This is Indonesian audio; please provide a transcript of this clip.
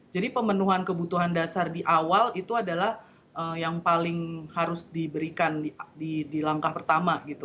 jadi pemenuhan kebutuhan dasar di awal itu adalah yang paling harus diberikan di langkah pertama